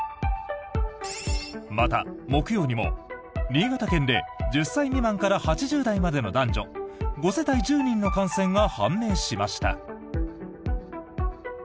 また、木曜にも新潟県で１０歳未満から８０代までの男女５世帯１０人の感染が判明しました。